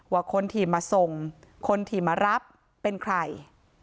ว่าคนที่มาส่งคนที่มารับเป็นใคร